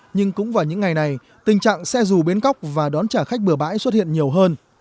nhưng cũng vào những ngày này tình trạng xe dù bến cóc và đón trả khách bừa bãi xuất hiện nhiều hơn